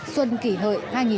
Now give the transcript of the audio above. xuân kỷ hợi hai nghìn một mươi chín